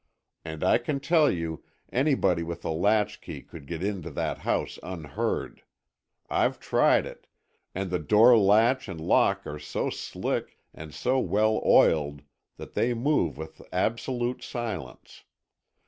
And I can tell you, anybody with a latchkey could get into that house unheard. I've tried it, and the door latch and lock are so slick and so well oiled that they move with absolute silence.